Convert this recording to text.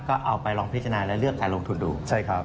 ก็เอาไปลองพิจารณาและเลือกใครลงทุนดู